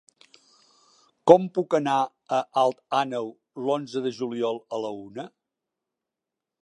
Com puc anar a Alt Àneu l'onze de juliol a la una?